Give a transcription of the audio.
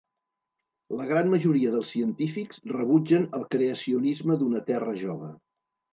La gran majoria dels científics rebutgen el creacionisme d'una Terra jove.